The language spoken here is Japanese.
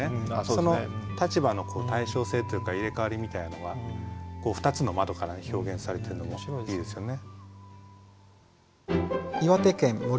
その立場の対称性というか入れ代わりみたいなのが２つの窓から表現されてるのもいいですよね。